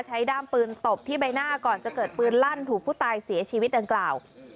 ด้ามปืนตบที่ใบหน้าก่อนจะเกิดปืนลั่นถูกผู้ตายเสียชีวิตดังกล่าว